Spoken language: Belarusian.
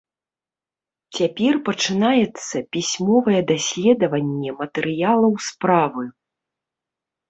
Цяпер пачынаецца пісьмовае даследаванне матэрыялаў справы.